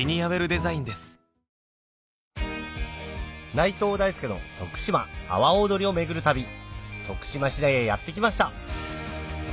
内藤大助の徳島阿波おどりを巡る旅徳島市内へやって来ました